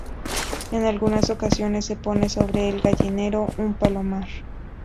En algunas ocasiones se pone sobre el gallinero un palomar.